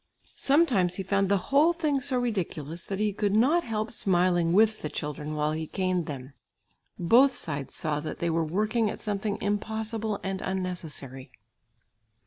Sometimes he found the whole thing so ridiculous that he could not help smiling with the children while he caned them. Both sides saw that they were working at something impossible and unnecessary.